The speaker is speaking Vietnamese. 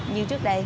như trước đây